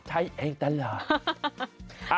ใช้เองแต่ละ